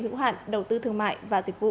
hữu hạn đầu tư thương mại và dịch vụ